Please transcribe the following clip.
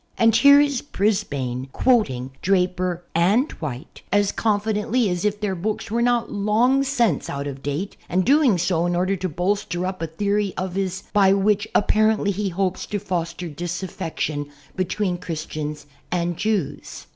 And here is Brisbane quoting Draper and White as confidently as if their books were not long since out of date an^ doing so in order to bolster up a theory of his by which apparently he hopes to foster disaffection be tween Christians and lews.